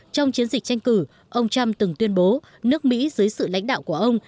trong chiến dịch tranh cử ông trump từng tuyên bố nước mỹ dưới sự lãnh đạo của ông